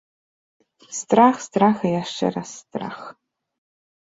Страх, страх і яшчэ раз страх.